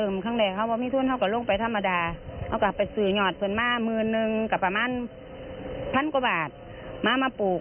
ยังมีอีก๒๐กว่าครอบครัวในพื้นที่คู่บ้านโครกไม้แดง